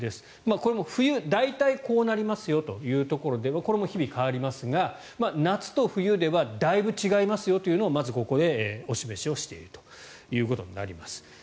これも冬、大体こうなりますよというところでこれも日々変わりますが夏と冬ではだいぶ違いますよというのをまずここでお示しをしているということになります。